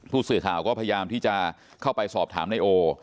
ผู้สื่อข่าวก็พยายามที่จะเข้าไปสอบถามนายโอ